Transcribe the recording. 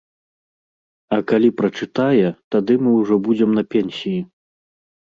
А калі прачытае, тады мы ўжо будзем на пенсіі.